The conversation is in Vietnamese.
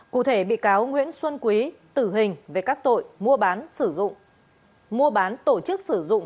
cụ thể bị cáo nguyễn xuân quý tử hình về các tội mua bán sử dụng mua bán tổ chức sử dụng